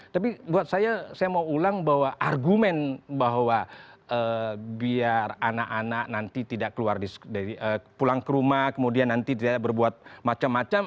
tapi buat saya saya mau ulang bahwa argumen bahwa biar anak anak nanti tidak keluar pulang ke rumah kemudian nanti tidak berbuat macam macam